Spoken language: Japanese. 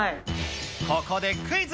ここでクイズ。